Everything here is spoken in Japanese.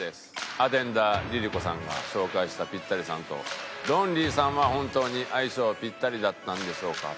アテンダーＬｉＬｉＣｏさんが紹介したピッタリさんとロンリーさんは本当に相性ピッタリだったんでしょうか？